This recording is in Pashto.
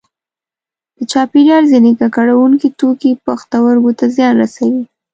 د چاپیریال ځینې ککړوونکي توکي پښتورګو ته زیان رسوي.